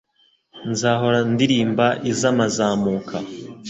nzahora ndirima iza mazamuka